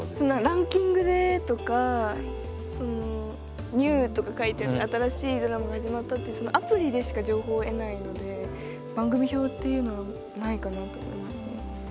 ランキングでとか、その「ニュー」とか書いてあって新しいドラマが始まったってアプリでしか情報を得ないので番組表っていうのはないかなと思いますね。